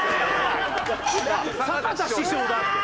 坂田師匠だって。